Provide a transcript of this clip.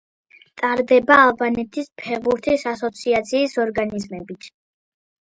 ტარდება ალბანეთის ფეხბურთის ასოციაციის ორგანიზებით.